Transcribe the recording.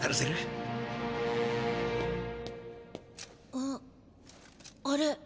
あっあれ？